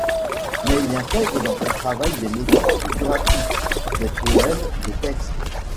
Mais il intègre dans son travail des motifs figuratifs, des poèmes, des textes...